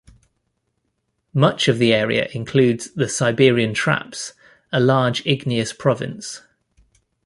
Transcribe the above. Much of the area includes the Siberian Traps-a large igneous province.